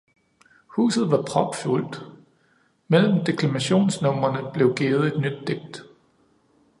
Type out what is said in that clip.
Huset var propfuldt; mellem deklamationsnumrene blev givet et nyt digt.